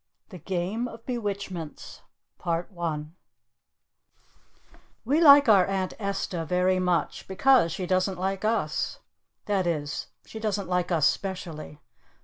THE GAME OF THE BE WITCHMENTS We like our Aunt Esta very much because she doesn't like us. That is she doesn't like us specially.